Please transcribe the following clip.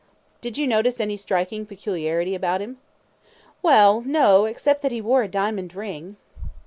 Q. Did you notice any striking peculiarity about him? A. Well, no; except that he wore a diamond ring.